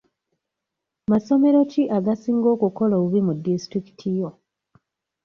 Masomero ki agasinga okukola obubi mu disitulikiti yo?